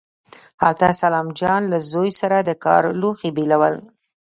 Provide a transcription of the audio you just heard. هلته سلام جان له زوی سره د کار لوښي بېلول.